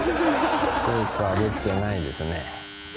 効果は出てないですね。